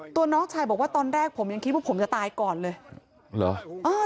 น้องชายบอกว่าตอนแรกผมยังคิดว่าผมจะตายก่อนเลยเหรอ